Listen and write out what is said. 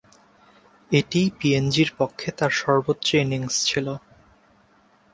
এটিই পিএনজি’র পক্ষে তার সর্বোচ্চ ইনিংস ছিল।